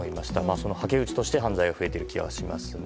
そのはけ口として犯罪が増えている気がしますね。